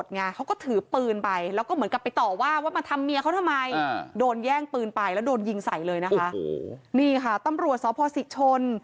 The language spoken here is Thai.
นี่ค่ะตำรวจศพศิกชน